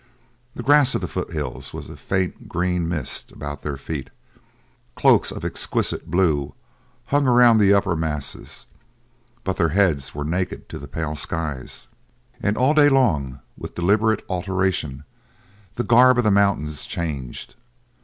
The grass of the foothills was a faint green mist about their feet, cloaks of exquisite blue hung around the upper masses, but their heads were naked to the pale skies. And all day long, with deliberate alteration, the garb of the mountains changed.